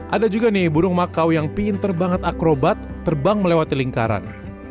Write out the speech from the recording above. ada juga nih burung makau yang pinter banget akrobat terbang melewati lingkaran